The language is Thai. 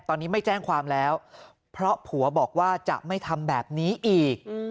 ตอนนี้ไม่แจ้งความแล้วเพราะผัวบอกว่าจะไม่ทำแบบนี้อีก